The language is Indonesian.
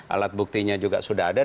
alat buktinya juga sudah ada